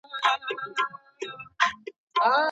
ولي لېواله انسان د مستحق سړي په پرتله لوړ مقام نیسي؟